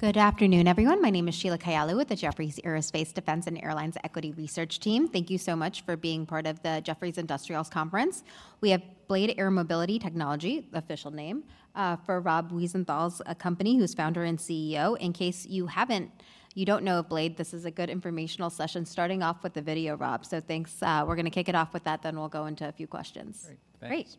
Good afternoon, everyone. My name is Sheila Kahyaoglu with the Jefferies Aerospace, Defense, and Airlines Equity Research team. Thank you so much for being part of the Jefferies Industrials Conference. We have Blade Air Mobility, official name, for Rob Wiesenthal's company, who's founder and CEO. In case you don't know of Blade, this is a good informational session, starting off with a video, Rob. So thanks. We're going to kick it off with that, then we'll go into a few questions. Great. Thanks.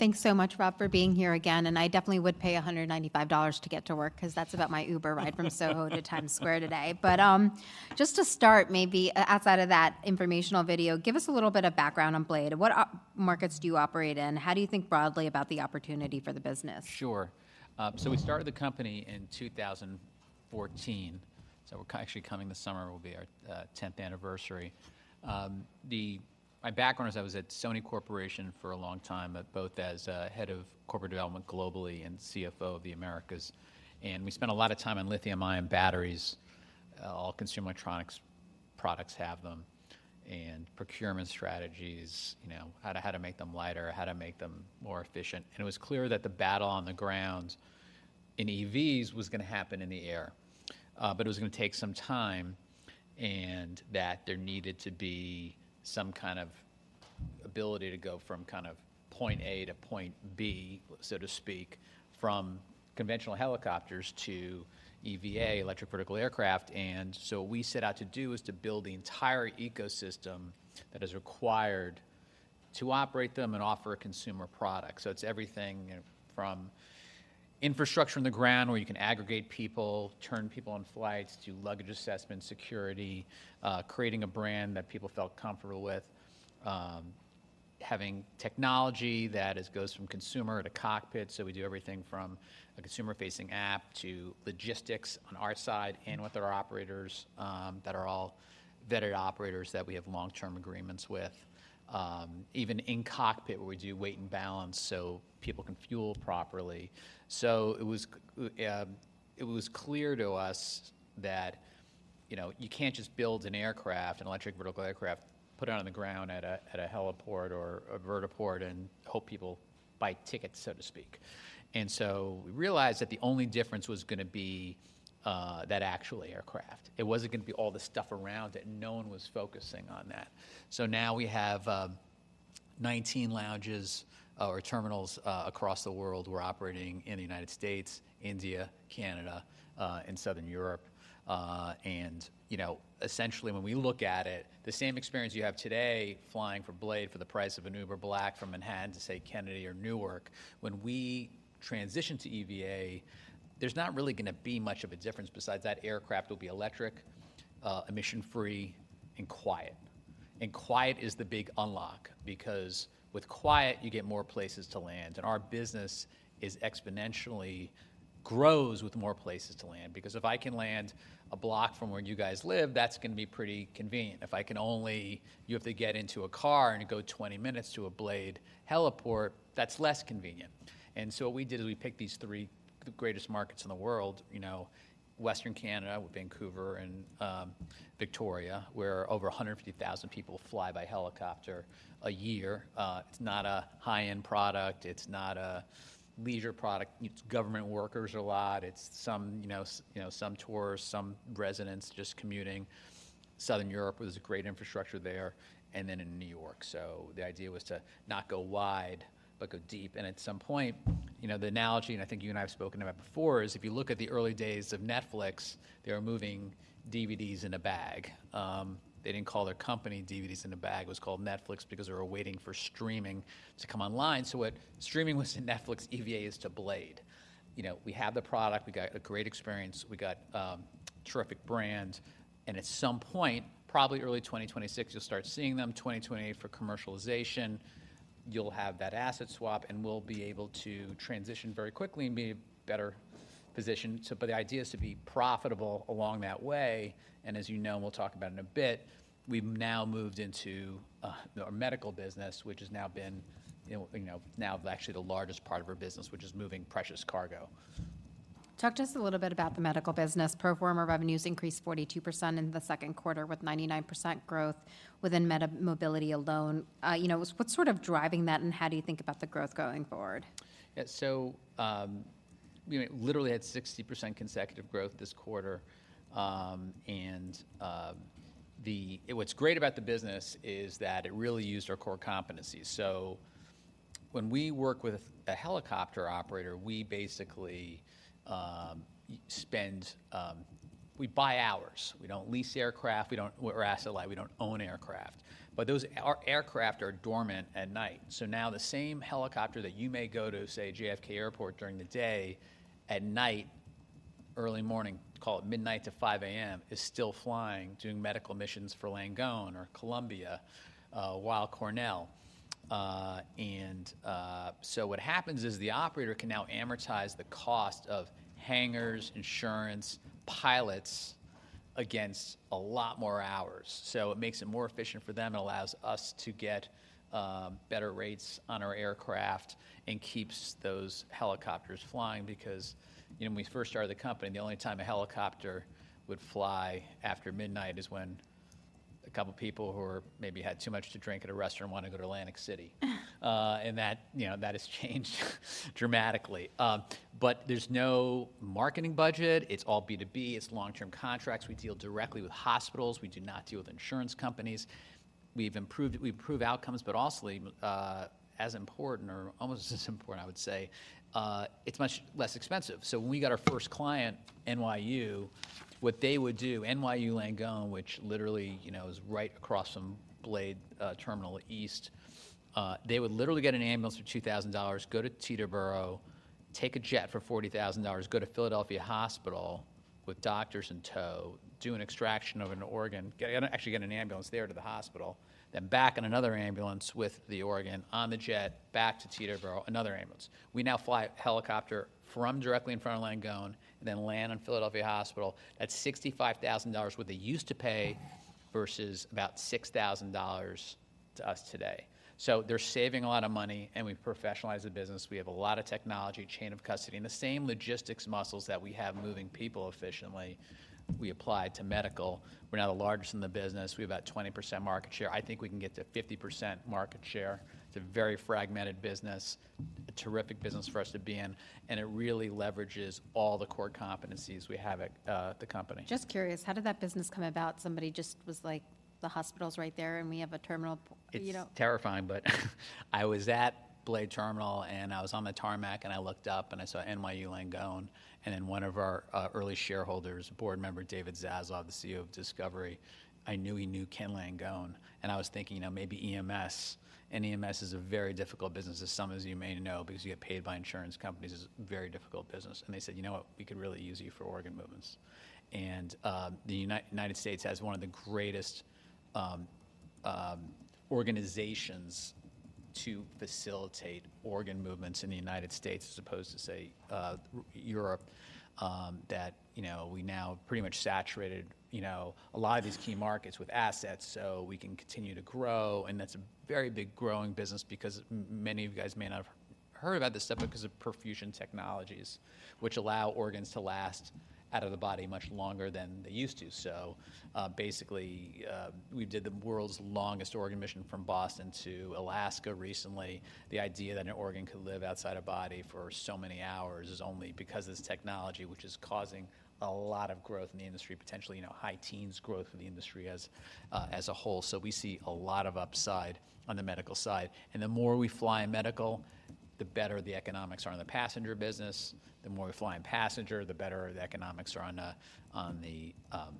Great! Thanks so much, Rob, for being here again, and I definitely would pay $195 to get to work, because that's about my Uber ride from Soho to Times Square today. But just to start, maybe outside of that informational video, give us a little bit of background on Blade. What markets do you operate in? How do you think broadly about the opportunity for the business? Sure. So we started the company in 2014, so we're actually, coming this summer, will be our tenth anniversary. My background is I was at Sony Corporation for a long time, at both as head of corporate development globally and CFO of the Americas. And we spent a lot of time on`lithium-ion batteries. All consumer electronics products have them, and procurement strategies, you know, how to, how to make them lighter, how to make them more efficient. And it was clear that the battle on the ground in EVs was going to happen in the air, but it was going to take some time, and that there needed to be some kind of ability to go from kind of point A to point B, so to speak, from conventional helicopters to EVA, Electric Vertical Aircraft. And so what we set out to do was to build the entire ecosystem that is required to operate them and offer a consumer product. So it's everything from infrastructure on the ground, where you can aggregate people, turn people on flights, do luggage assessment, security, creating a brand that people felt comfortable with, having technology that goes from consumer to cockpit. So we do everything from a consumer-facing app to logistics on our side and with our operators, that are all vetted operators that we have long-term agreements with. Even in cockpit, where we do weight and balance so people can fuel properly. So it was clear to us that, you know, you can't just build an aircraft, an electric vertical aircraft, put it on the ground at a heliport or a vertiport, and hope people buy tickets, so to speak. And so we realized that the only difference was going to be that actual aircraft. It wasn't going to be all the stuff around it, and no one was focusing on that. So now we have 19 lounges or terminals across the world. We're operating in the United States, India, Canada, and Southern Europe. You know, essentially, when we look at it, the same experience you have today flying for Blade for the price of an Uber Black from Manhattan to, say, Kennedy or Newark, when we transition to EVA, there's not really going to be much of a difference besides that aircraft will be electric, emission-free, and quiet. And quiet is the big unlock because with quiet, you get more places to land, and our business is exponentially grows with more places to land. Because if I can land a block from where you guys live, that's going to be pretty convenient. If I can only... you have to get into a car and go 20 minutes to a Blade heliport, that's less convenient. What we did is we picked these three, the greatest markets in the world, you know, Western Canada, with Vancouver and Victoria, where over 150,000 people fly by helicopter a year. It's not a high-end product. It's not a leisure product. It's government workers a lot. It's some, you know, some tourists, some residents just commuting. Southern Europe, where there's a great infrastructure there, and then in New York. So the idea was to not go wide, but go deep. And at some point, you know, the analogy, and I think you and I have spoken about before, is if you look at the early days of Netflix, they were moving DVDs in a bag. They didn't call their company DVDs in a bag. It was called Netflix because they were waiting for streaming to come online. So what streaming was to Netflix, EVA is to Blade. You know, we have the product. We got a great experience. We got terrific brand, and at some point, probably early 2026, you'll start seeing them, 2028 for commercialization. You'll have that asset swap, and we'll be able to transition very quickly and be in a better position. So but the idea is to be profitable along that way, and as you know, and we'll talk about in a bit, we've now moved into our medical business, which has now been, you know, you know, now actually the largest part of our business, which is moving precious cargo. Talk to us a little bit about the medical business. Pro forma revenues increased 42% in the second quarter, with 99% growth within MediMobility alone. You know, what's, what's sort of driving that, and how do you think about the growth going forward? Yeah. So, we literally had 60% consecutive growth this quarter, and, the, what's great about the business is that it really used our core competencies. So when we work with a helicopter operator, we basically spend, we buy hours. We don't lease aircraft, we don't, we're asset-light. We don't own aircraft. But those, our aircraft are dormant at night. So now, the same helicopter that you may go to, say, JFK Airport during the day, at night, early morning, call it midnight to 5AM, is still flying, doing medical missions for Langone or Columbia, Weill Cornell. And, so what happens is the operator can now amortize the cost of hangars, insurance, pilots against a lot more hours. So it makes it more efficient for them. It allows us to get better rates on our aircraft and keeps those helicopters flying because, you know, when we first started the company, the only time a helicopter would fly after midnight is when a couple of people who maybe had too much to drink at a restaurant and want to go to Atlantic City. That, you know, has changed dramatically. But there's no marketing budget. It's all B2B. It's long-term contracts. We deal directly with hospitals. We do not deal with insurance companies. We improve outcomes, but also, as important or almost as important, I would say, it's much less expensive. So when we got our first client, NYU, what they would do, NYU Langone, which literally, you know, is right across from Blade Terminal East, they would literally get an ambulance for $2,000, go to Teterboro, take a jet for $40,000, go to Philadelphia Hospital with doctors in tow, do an extraction of an organ, actually get an ambulance there to the hospital, then back in another ambulance with the organ on the jet back to Teterboro, another ambulance. We now fly a helicopter from directly in front of Langone, then land in Philadelphia Hospital at $65,000 what they used to pay, versus about $6,000 to us today. So they're saving a lot of money, and we've professionalized the business. We have a lot of technology, chain of custody, and the same logistics muscles that we have moving people efficiently, we apply to medical. We're now the largest in the business. We have about 20% market share. I think we can get to 50% market share. It's a very fragmented business, a terrific business for us to be in, and it really leverages all the core competencies we have at the company. Just curious, how did that business come about? Somebody just was like, "The hospital's right there, and we have a terminal," you know? It's terrifying, but I was at Blade Terminal, and I was on the tarmac, and I looked up, and I saw NYU Langone. And then one of our early shareholders, board member David Zaslav, the CEO of Discovery, I knew he knew Ken Langone, and I was thinking, you know, maybe EMS. And EMS is a very difficult business, as some of you may know, because you get paid by insurance companies. It's a very difficult business. And they said, "You know what? We could really use you for organ movements." And the United States has one of the greatest organizations to facilitate organ movements in the United States, as opposed to, say, Europe, that, you know, we now pretty much saturated, you know, a lot of these key markets with assets, so we can continue to grow. And that's a very big growing business because many of you guys may not have heard about this stuff because of perfusion technologies, which allow organs to last out of the body much longer than they used to. So, basically, we did the world's longest organ mission from Boston to Alaska recently. The idea that an organ could live outside a body for so many hours is only because of this technology, which is causing a lot of growth in the industry, potentially, you know, high teens growth in the industry as a whole. So we see a lot of upside on the medical side. And the more we fly medical, the better the economics are on the passenger business. The more we fly in passenger, the better the economics are on the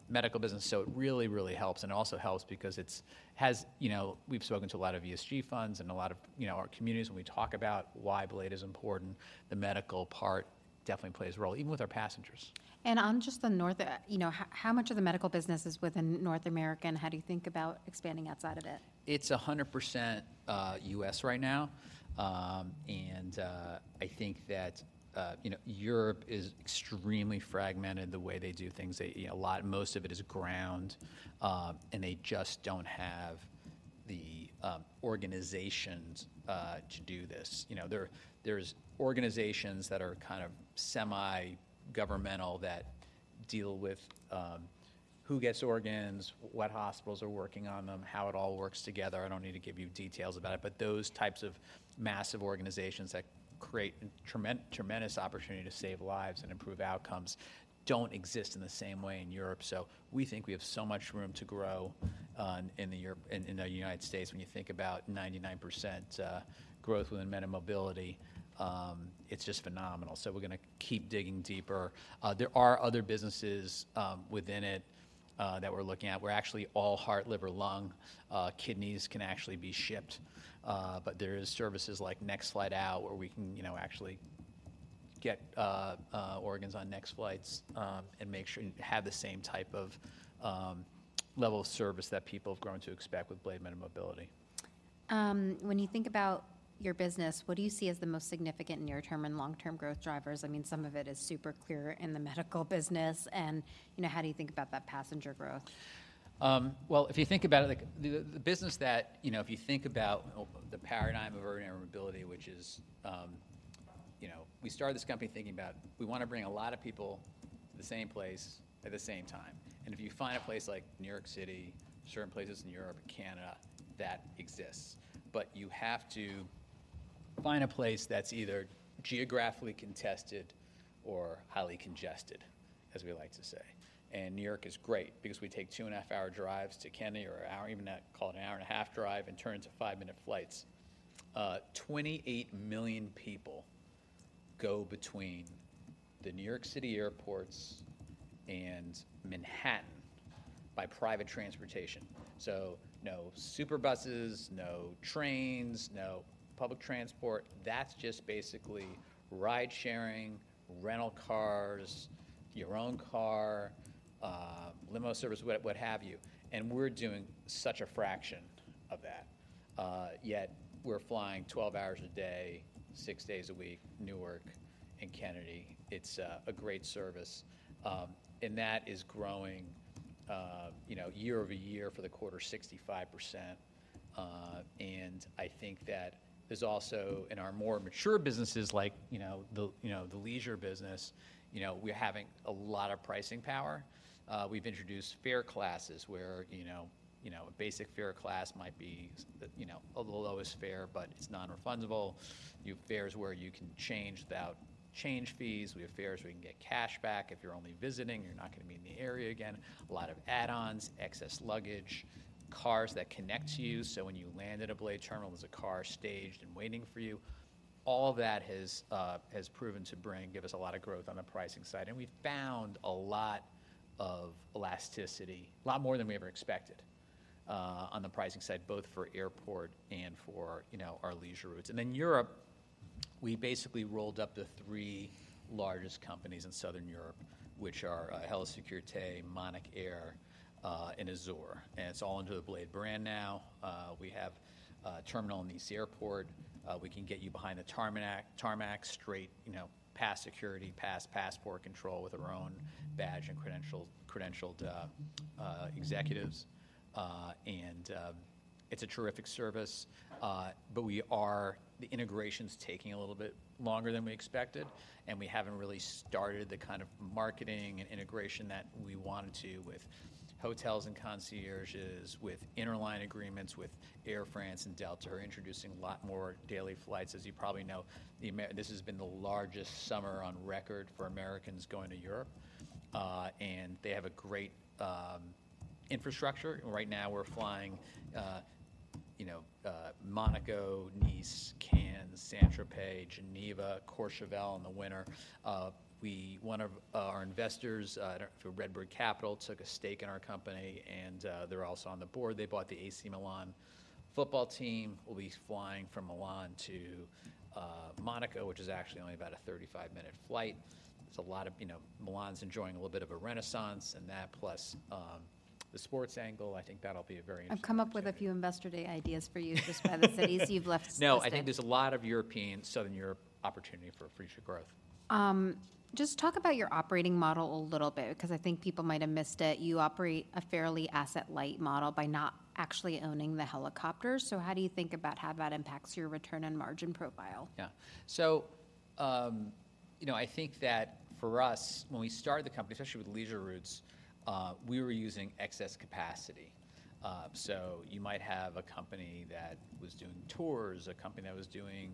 medical business. It really, really helps, and it also helps because it has. You know, we've spoken to a lot of ESG funds and a lot of, you know, our communities, when we talk about why Blade is important, the medical part definitely plays a role, even with our passengers. On just the North, you know, how much of the medical business is within North America, and how do you think about expanding outside of it? It's 100% US right now. And I think that, you know, Europe is extremely fragmented the way they do things. They, you know, most of it is ground, and they just don't have the organizations to do this. You know, there's organizations that are kind of semi-governmental that deal with who gets organs, what hospitals are working on them, how it all works together. I don't need to give you details about it, but those types of massive organizations that create tremendous opportunity to save lives and improve outcomes don't exist in the same way in Europe. So we think we have so much room to grow in Europe, in the United States. When you think about 99% growth within MediMobility, it's just phenomenal. So we're gonna keep digging deeper. There are other businesses within it that we're looking at. We're actually all heart, liver, lung. Kidneys can actually be shipped. But there is services like Next Flight Out, where we can, you know, actually get organs on next flights, and make sure you have the same type of level of service that people have grown to expect with Blade MediMobility. When you think about your business, what do you see as the most significant near-term and long-term growth drivers? I mean, some of it is super clear in the medical business, and, you know, how do you think about that passenger growth? Well, if you think about it, like the business that you know, if you think about the paradigm of urban air mobility, which is, you know. We started this company thinking about we wanna bring a lot of people to the same place at the same time. And if you find a place like New York City, certain places in Europe and Canada, that exists. But you have to find a place that's either geographically contested or highly congested, as we like to say. And New York is great because we take wo and a half hour drives to Kennedy or 1 hour, even call it a one and a half hour drive, and turn it to five minute flights. 28 million people go between the New York City airports and Manhattan by private transportation. So no super buses, no trains, no public transport. That's just basically ride-sharing, rental cars, your own car, limo service, what have you, and we're doing such a fraction of that. Yet we're flying 12 hours a day, six days a week, Newark and Kennedy. It's a great service, and that is growing, you know, year-over-year for the quarter, 65%. And I think that there's also, in our more mature businesses like, you know, the leisure business, you know, we're having a lot of pricing power. We've introduced fare classes where, you know, a basic fare class might be the lowest fare, but it's non-refundable. You have fares where you can change without change fees. We have fares where you can get cash back if you're only visiting, you're not gonna be in the area again. A lot of add-ons, excess luggage, cars that connect to you, so when you land at a Blade terminal, there's a car staged and waiting for you. All that has, has proven to bring, give us a lot of growth on the pricing side. We've found a lot of elasticity, a lot more than we ever expected, on the pricing side, both for airport and for, you know, our leisure routes. In Europe, we basically rolled up the three largest companies in Southern Europe, which are, Héli Sécurité, Monacair, and Azur Hélicoptère, and it's all under the Blade brand now. We have a terminal in Nice Airport. We can get you behind the tarmac, straight, you know, past security, past passport control, with our own badge and credentialed executives. It's a terrific service, but the integration's taking a little bit longer than we expected, and we haven't really started the kind of marketing and integration that we wanted to with hotels and concierges, with interline agreements with Air France and Delta, who are introducing a lot more daily flights. As you probably know, this has been the largest summer on record for Americans going to Europe, and they have a great infrastructure. Right now we're flying, you know, Monaco, Nice, Cannes, Saint-Tropez, Geneva, Courchevel in the winter. One of our investors from RedBird Capital took a stake in our company, and they're also on the board. They bought the AC Milan football team. We'll be flying from Milan to Monaco, which is actually only about a 35-minute flight. There's a lot of, you know, Milan's enjoying a little bit of a renaissance, and that plus, the sports angle, I think that'll be a very interesting. I've come up with a few Investor Day ideas for you, just by the cities you've listed. No, I think there's a lot of European, Southern Europe opportunity for future growth. Just talk about your operating model a little bit, because I think people might have missed it. You operate a fairly asset-light model by not actually owning the helicopters. So how do you think about how that impacts your return on margin profile? Yeah. So, you know, I think that for us, when we started the company, especially with leisure routes, we were using excess capacity. So you might have a company that was doing tours, a company that was doing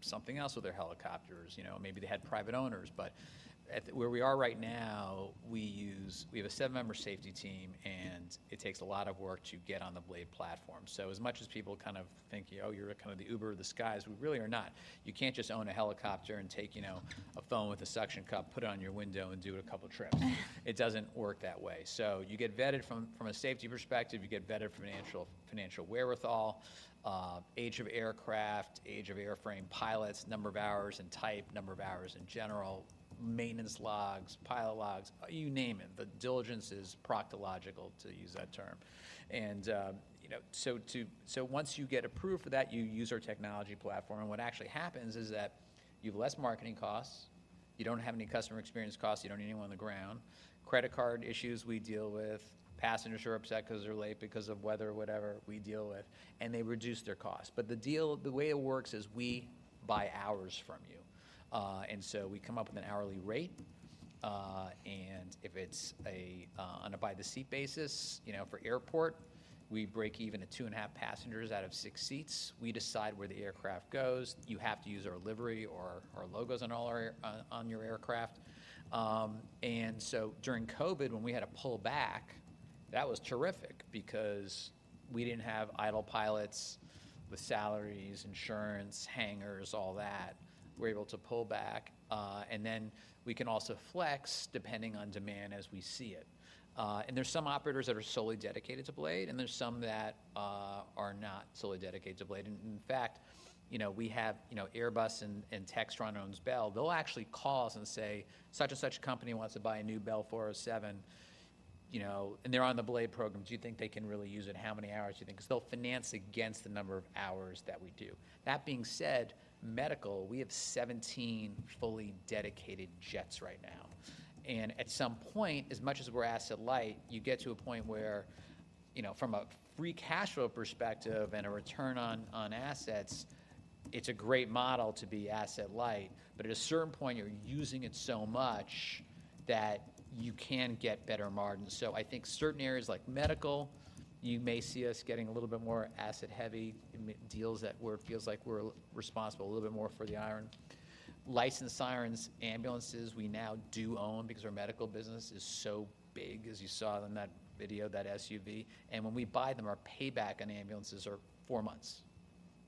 something else with their helicopters. You know, maybe they had private owners. But at where we are right now, we have a seven-member safety team, and it takes a lot of work to get on the Blade platform. So as much as people kind of think, "Oh, you're kind of the Uber of the skies," we really are not. You can't just own a helicopter and take, you know, a phone with a suction cup, put it on your window, and do a couple trips. It doesn't work that way. So you get vetted from a safety perspective. You get vetted financial, financial wherewithal, age of aircraft, age of airframe pilots, number of hours and type, number of hours in general, maintenance logs, pilot logs, you name it. The diligence is proctological, to use that term. You know, once you get approved for that, you use our technology platform, and what actually happens is that you have less marketing costs, you don't have any customer experience costs, you don't need anyone on the ground. Credit card issues, we deal with. Passengers who are upset because they're late because of weather or whatever, we deal with, and they reduce their costs. But the deal, the way it works is we buy hours from you. And so we come up with an hourly rate, and if it's on a by-the-seat basis, you know, for airport, we break even at 2.5 passengers out of 6 seats. We decide where the aircraft goes. You have to use our livery or our logos on all your aircraft. And so during COVID, when we had to pull back, that was terrific because we didn't have idle pilots with salaries, insurance, hangars, all that. We were able to pull back, and then we can also flex depending on demand as we see it. And there's some operators that are solely dedicated to Blade, and there's some that are not solely dedicated to Blade. And in fact, you know, we have, you know, Airbus and Textron owns Bell. They'll actually call us and say, "Such and such company wants to buy a new Bell 407, you know, and they're on the Blade program, do you think they can really use it? How many hours do you think? 'Cause they'll finance against the number of hours that we do." That being said, medical, we have 17 fully dedicated jets right now. And at some point, as much as we're asset light, you get to a point where, you know, from a free cash flow perspective and a return on, on assets, it's a great model to be asset light. But at a certain point, you're using it so much that you can get better margins. So I think certain areas like medical, you may see us getting a little bit more asset-heavy in deals that where it feels like we're responsible a little bit more for the iron. Licensed sirens, ambulances, we now do own because our medical business is so big, as you saw in that video, that SUV. And when we buy them, our payback on the ambulances are four months.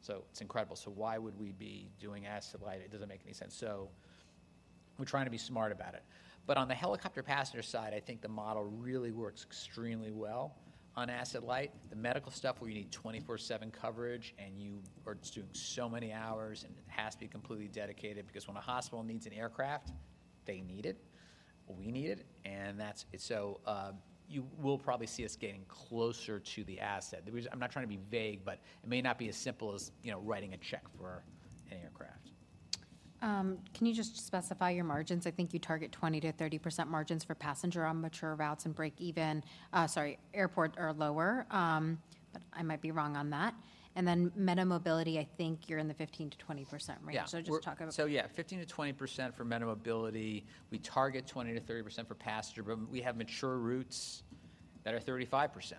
So it's incredible. So why would we be doing asset light? It doesn't make any sense. So we're trying to be smart about it. But on the helicopter passenger side, I think the model really works extremely well on asset light. The medical stuff, where you need 24/7 coverage, and you are just doing so many hours, and it has to be completely dedicated, because when a hospital needs an aircraft, they need it, we need it, and that's, so you will probably see us getting closer to the asset. The reason, I'm not trying to be vague, but it may not be as simple as, you know, writing a check for any aircraft. Can you just specify your margins? I think you target 20%-30% margins for passenger on mature routes and break even, airport are lower, but I might be wrong on that. Then MediMobility, I think you're in the 15%-20% range. Yeah. Just talk about- So yeah, 15%-20% for MediMobility. We target 20%-30% for passenger, but we have mature routes that are 35%.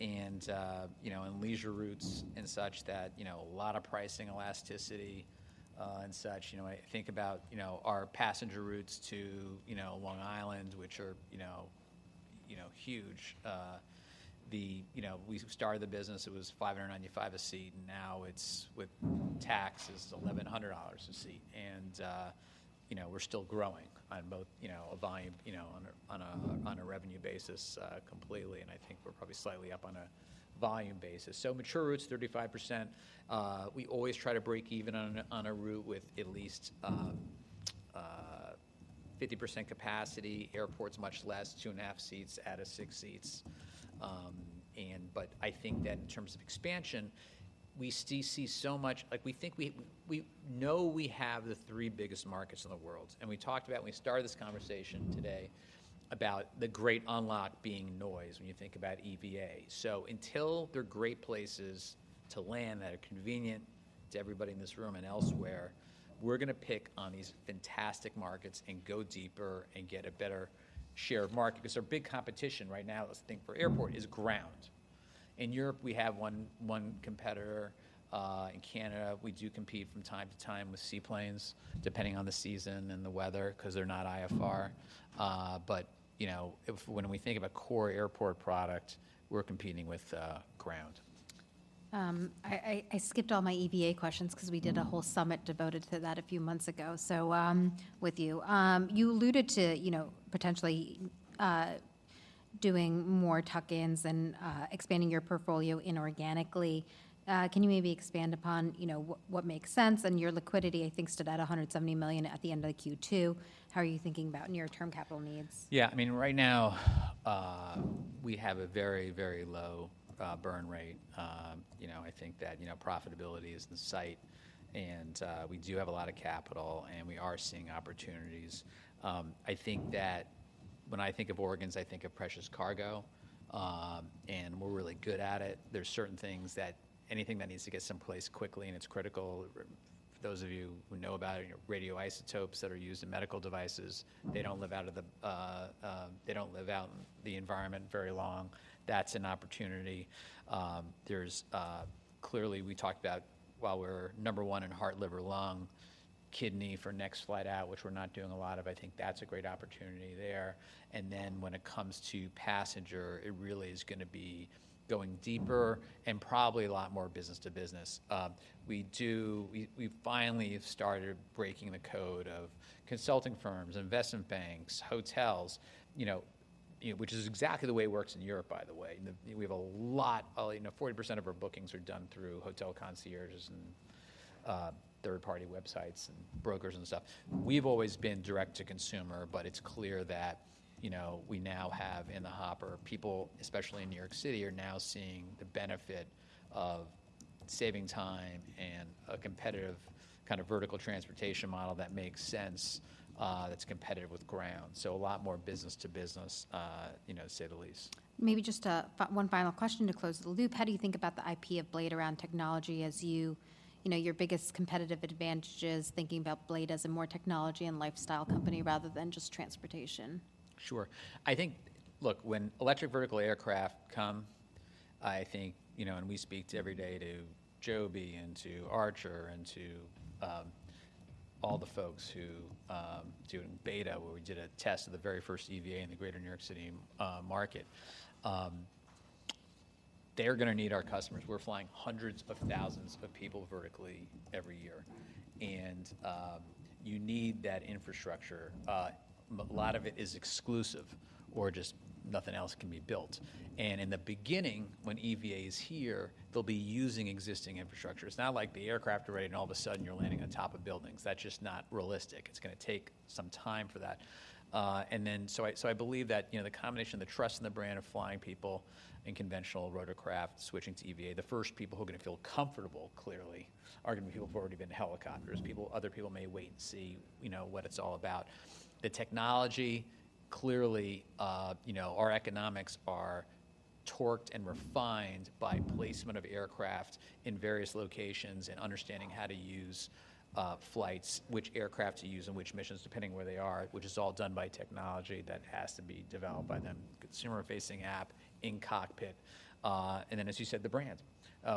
You know, and leisure routes and such that, you know, a lot of pricing elasticity, and such. You know, I think about, you know, our passenger routes to, you know, Long Island, which are, you know, you know, huge. You know, we started the business, it was $595 a seat, and now it's, with tax, it's $1,100 a seat. You know, we're still growing on both, you know, on a, on a, on a revenue basis, completely, and I think we're probably slightly up on a volume basis. So mature routes, 35%. We always try to break even on a route with at least 50% capacity, airports, much less, two and a half seats out of six seats. I think that in terms of expansion, we still see so much—like, we think we know we have the three biggest markets in the world, and we talked about when we started this conversation today about the great unlock being noise when you think about EVA. So until they're great places to land that are convenient to everybody in this room and elsewhere, we're gonna pick on these fantastic markets and go deeper and get a better share of market. Because our big competition right now, let's think for airport, is ground. In Europe, we have one competitor. In Canada, we do compete from time to time with seaplanes, depending on the season and the weather, 'cause they're not IFR. But you know, when we think of a core airport product, we're competing with ground. I skipped all my EVA questions because we did a whole summit devoted to that a few months ago, so, with you. You alluded to, you know, potentially, doing more tuck-ins and, expanding your portfolio inorganically. Can you maybe expand upon, you know, what makes sense? And your liquidity, I think, stood at $170 million at the end of Q2. How are you thinking about near-term capital needs? Yeah, I mean, right now, we have a very, very low burn rate. You know, I think that, you know, profitability is in sight, and we do have a lot of capital, and we are seeing opportunities. I think that when I think of organs, I think of precious cargo, and we're really good at it. There's certain things that anything that needs to get someplace quickly, and it's critical. For those of you who know about it, radioisotopes that are used in medical devices, they don't live out of the, they don't live out in the environment very long. That's an opportunity. There's clearly, we talked about while we're number one in heart, liver, lung, kidney for next flight out, which we're not doing a lot of, I think that's a great opportunity there. And then when it comes to passenger, it really is gonna be going deeper and probably a lot more business to business. We finally have started breaking the code of consulting firms, investment banks, hotels, you know, you, which is exactly the way it works in Europe, by the way. We have a lot. You know, 40% of our bookings are done through hotel concierges and third-party websites and brokers and stuff. We've always been direct to consumer, but it's clear that, you know, we now have in the hopper, people, especially in New York City, are now seeing the benefit of saving time and a competitive kind of vertical transportation model that makes sense, that's competitive with ground. So a lot more business to business, you know, to say the least. Maybe just one final question to close the loop. How do you think about the IP of Blade around technology as you know, your biggest competitive advantages, thinking about Blade as a more technology and lifestyle company rather than just transportation? Sure. I think, look, when electric vertical aircraft come, I think... You know, and we speak every day to Joby and to Archer and to all the folks who do it in Beta, where we did a test of the very first EVA in the greater New York City market. They're gonna need our customers. We're flying hundreds of thousands of people vertically every year, and you need that infrastructure. But a lot of it is exclusive or just nothing else can be built. And in the beginning, when EVA is here, they'll be using existing infrastructure. It's not like the aircraft are ready, and all of a sudden, you're landing on top of buildings. That's just not realistic. It's gonna take some time for that. So I believe that, you know, the combination of the trust and the brand of flying people in conventional rotorcraft switching to EVA, the first people who are gonna feel comfortable, clearly, are gonna be people who've already been in helicopters. People, other people may wait and see, you know, what it's all about. The technology, clearly, you know, our economics are torqued and refined by placement of aircraft in various locations and understanding how to use flights, which aircraft to use and which missions, depending where they are, which is all done by technology that has to be developed by the consumer-facing app in cockpit. And then, as you said, the brands,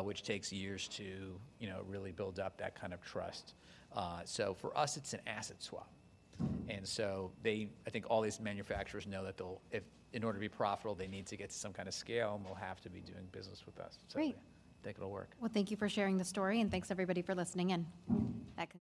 which takes years to, you know, really build up that kind of trust. So for us, it's an asset swap. I think all these manufacturers know that they'll, If in order to be profitable, they need to get to some kind of scale and will have to be doing business with us. Great. I think it'll work. Well, thank you for sharing the story, and thanks, everybody, for listening in. That concludes.